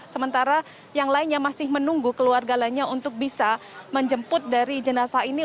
sementara yang lainnya masih menunggu keluarga lainnya untuk bisa menjemput dari jenazah ini